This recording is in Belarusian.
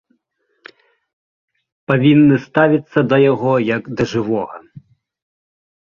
Павінны ставіцца да яго, як да жывога.